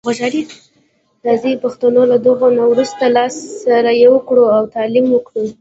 راځي پښتنو له دغه نه وروسته لاس سره یو کړو او تعلیم وکړو.